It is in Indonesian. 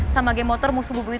sama game motor musuh bubuknya